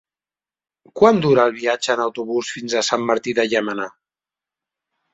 Quant dura el viatge en autobús fins a Sant Martí de Llémena?